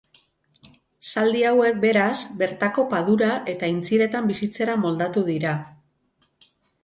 Zaldi hauek beraz, bertako padura eta aintziretan bizitzera moldatu dira.